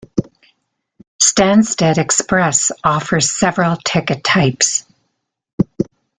Stansted Express offers several ticket types.